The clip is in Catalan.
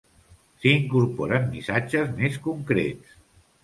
S'hi incorporen missatges més concrets.